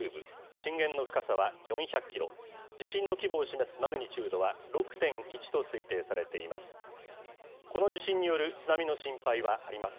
震源の深さは４００キロ、地震の規模を示すマグニチュードは６．１と推定されています。